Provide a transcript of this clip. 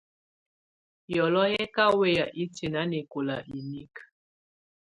Yɔlɔ yɛ̀ ka wɛya itiǝ́ nanɛkɔla inikǝ.